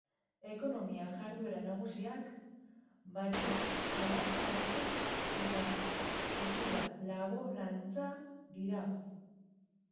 Ekonomia jarduera nagusiak bario-meatzaritza eta tipula-laborantza dira.